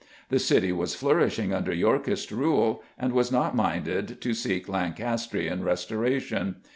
The city was flourishing under Yorkist rule and was not minded to seek Lancastrian restoration.